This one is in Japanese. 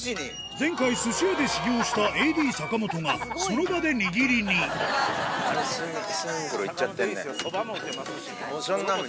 前回寿司屋で修業したＡＤ坂本がその場で握りにもうそんなもん。